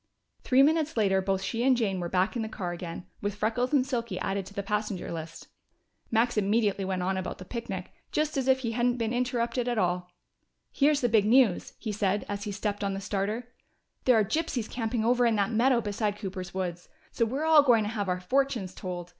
Three minutes later both she and Jane were back in the car again, with Freckles and Silky added to the passenger list. Max immediately went on about the picnic, just as if he hadn't been interrupted at all. "Here's the big news," he said, as he stepped on the starter: "There are gypsies camping over in that meadow beside Cooper's woods! So we're all going to have our fortunes told.